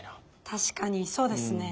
確かにそうですね。